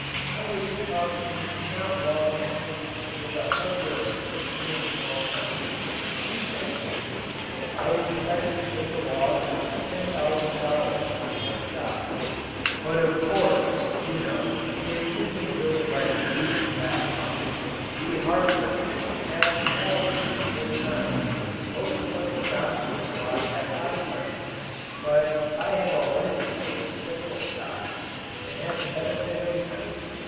I was talking not long since with a hardware merchant in a small town. He said: "I expect to take a loss of $10,000 on my stock. But of course, you know, it isn't really like losing that much. We hardware men have had pretty good times. Most of my stock was bought at high prices, but I have already sold several stocks and had the benefit of them.